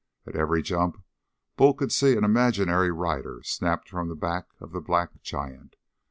At every jump Bull could see an imaginary rider snapped from the back of the black giant.